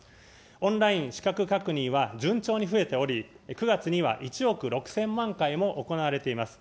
オンライン資格確認は順調に増えており、９月には１億６０００万回も行われています。